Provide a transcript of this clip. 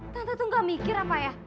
tante tuh gak mikir apa ya